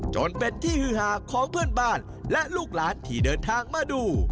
จนเป็นที่ฮือหาของเพื่อนบ้านและลูกหลานที่เดินทางมาดู